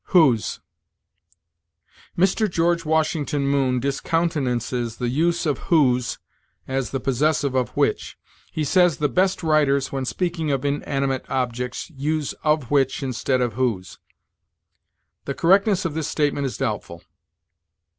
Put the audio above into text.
WHOSE. Mr. George Washington Moon discountenances the use of whose as the possessive of which. He says, "The best writers, when speaking of inanimate objects, use of which instead of whose." The correctness of this statement is doubtful.